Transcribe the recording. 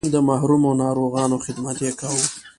د محرومو ناروغانو خدمت یې کاوه.